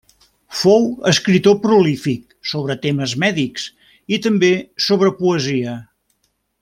Fou escriptor prolífic sobre temes mèdics i també sobre poesia.